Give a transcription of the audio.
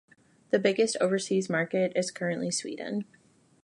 Its biggest overseas market is currently Sweden.